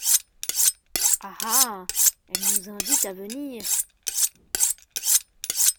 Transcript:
Ah ! ah ! elle nous invite à venir.